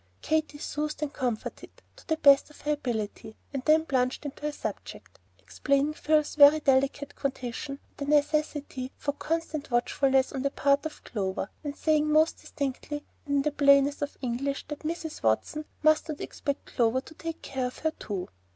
Katy soothed and comforted to the best of her ability, and then plunged into her subject, explaining Phil's very delicate condition and the necessity for constant watchfulness on the part of Clover, and saying most distinctly and in the plainest of English that Mrs. Watson must not expect Clover to take care of her too.